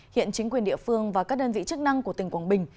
hiện chính quyền địa phương và các đơn vị chức năng của tỉnh quảng bình